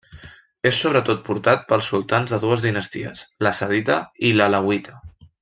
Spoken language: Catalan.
És sobretot portat pels sultans de dues dinasties, la sadita i l'alauita.